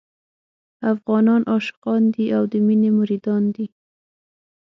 افغانان عاشقان دي او د مينې مريدان دي.